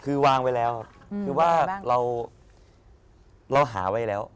คือวางไว้แล้วครับคือว่าเราหาไว้แล้ว